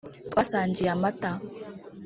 twasangiye amata